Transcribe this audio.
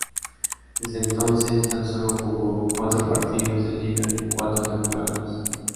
Desde entonces tan solo jugó cuatro partidos de liga en cuatro temporadas.